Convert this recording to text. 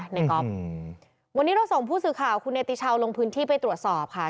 ก๊อฟวันนี้เราส่งผู้สื่อข่าวคุณเนติชาวลงพื้นที่ไปตรวจสอบค่ะ